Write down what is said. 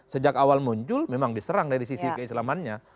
sejak awal muncul memang diserang dari sisi keislamannya